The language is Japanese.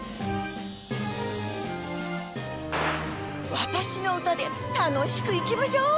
わたしのうたでたのしくいきましょう！